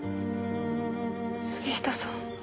杉下さん。